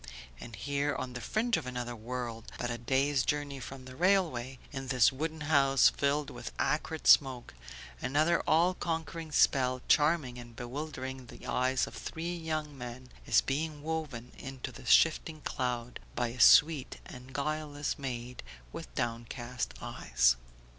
And here on the fringe of another world, but a day's journey from the railway, in this wooden house filled with acrid smoke, another all conquering spell, charming and bewildering the eyes of three young men, is being woven into the shifting cloud by a sweet and guileless maid with downcast eyes.